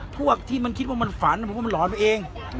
พวกที่มันคิดว่ามันฝันผมว่ามันหลอนไปเอง